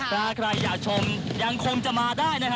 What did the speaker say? ถ้าใครอยากชมยังคงจะมาได้นะฮะ